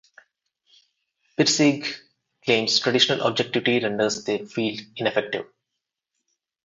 Pirsig claims traditional objectivity renders the field ineffective.